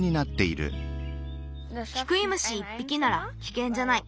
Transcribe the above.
キクイムシ１ぴきならきけんじゃない。